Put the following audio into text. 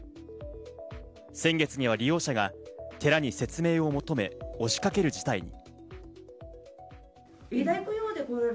先月には利用者が寺に説明を求め、押しかける事態に。